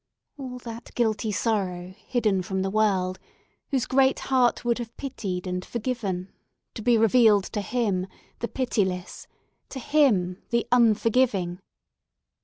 All that guilty sorrow, hidden from the world, whose great heart would have pitied and forgiven, to be revealed to him, the Pitiless—to him, the Unforgiving!